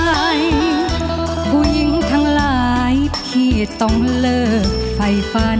ผู้หญิงทั้งหลายพี่ต้องเลิกไฟฟัน